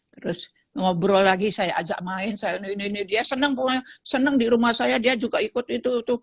terus ngobrol lagi saya ajak main saya ini dia senang di rumah saya dia juga ikut itu